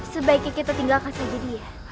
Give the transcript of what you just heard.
sebaiknya kita tinggalkan saja dia